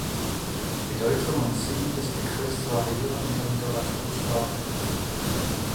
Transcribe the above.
Bedeutung und Sinn des Begriffs variieren in der Literatur stark.